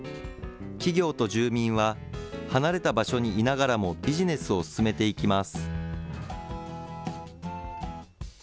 企業と住民は、離れた場所にいながらもビジネスを進めていきます。